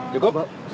terima kasih mas